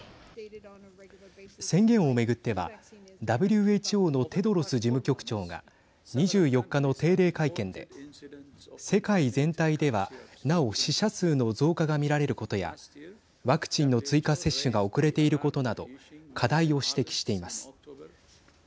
宣言を巡ってはＷＨＯのテドロス事務局長が２４日の定例会見で世界全体ではなお死者数の増加が見られることやワクチンの追加接種が遅れていることなど課題を指摘しています。